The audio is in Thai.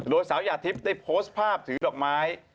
โดยสาวหยาดทิพย์ได้โพสต์ภาพถือดอกไม้